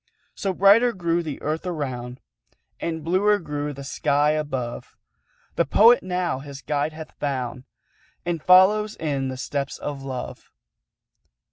So brighter grew the Earth around, And bluer grew the sky above; The Poet now his guide hath found, And follows in the steps of Love.